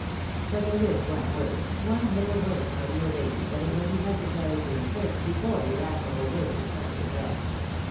But there is one woid, one little word, my dear lady, that it will be necessary to insert before your admirable work is sent to the press.